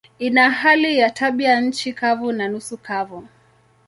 Ina hali ya tabianchi kavu na nusu kavu.